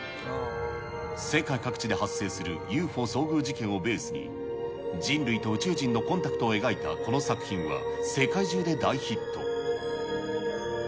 世界各地で発生するＵＦＯ遭遇事件をベースに、人類と宇宙人のコンタクトを描いたこの作品は、世界中で大ヒット。